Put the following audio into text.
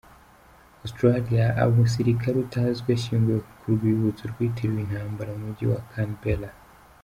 Australie : Umusirikare utazwi ashyinguwe ku Rwibutso rwitiriwe Intambara mu mujyi wa Canberra.